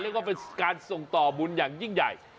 และก็เป็นการส่งต่อบุญอย่างยิ่งใหญ่